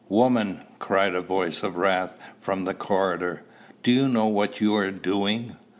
"Woman!" cried a voice of wrath from the corridor, "do you know what you are doing?